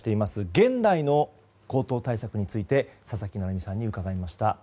現代の強盗対策について佐々木成三さんに伺いました。